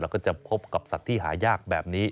แล้วก็จะพบกับสัตว์ที่หายากแบบนี้